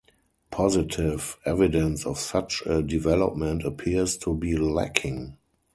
Positive evidence of such a development appears to be lacking.